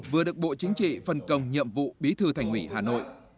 vừa được bộ chính trị phân công nhiệm vụ bí thư thành ủy hà nội